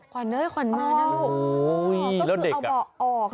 ขวัญด้วยขวัญมาน่ะโอ้โหแล้วเด็กอ่ะก็คือเอาเบาะออก